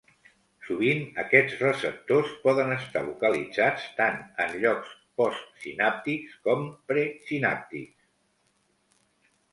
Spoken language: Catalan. Sovint, aquests receptors poden estar localitzats tant en llocs postsinàptics com presinàptics.